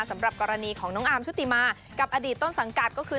สำหรับกรณีของน้องอาร์มชุติมากับอดีตต้นสังกัดก็คือ